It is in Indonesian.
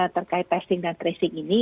terkait testing dan tracing ini